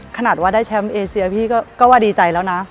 ขนาดว่าได้แชมป์เอเซียพี่ก็ว่าดีใจแล้วนะ